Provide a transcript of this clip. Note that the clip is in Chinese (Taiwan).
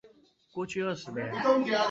過去二十年